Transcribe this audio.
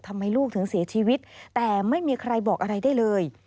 ทำไมลูกถึงเสียชีวิตแต่ไม่มีใครบอกอะไรได้เลย